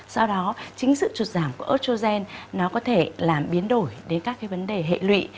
sau đó chính sự sụt giảm của estrogen nó có thể làm biến đổi đến các vấn đề hệ lụy